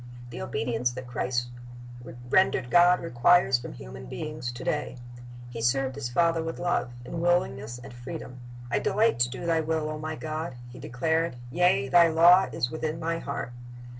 The obedience that Christ rendered God requires from human beings to day. He served His Father with love, in willingness and freedom. "I delight to do Thy will, O My God," He declared; "yea. Thy law is within My heart."